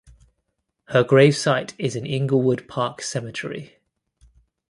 Her gravesite is in Inglewood Park Cemetery.